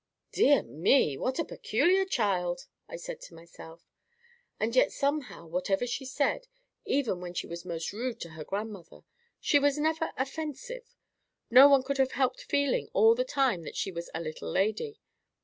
'" "Dear me! what a peculiar child!" I said to myself. And yet somehow, whatever she said—even when she was most rude to her grandmother—she was never offensive. No one could have helped feeling all the time that she was a little lady.